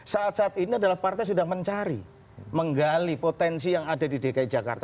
saat saat ini adalah partai sudah mencari menggali potensi yang ada di dki jakarta